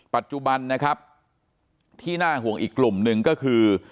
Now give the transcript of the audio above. ปัจจุบันนะครับที่น่าห่วงอีกกลุ่มหนึ่งก็คือ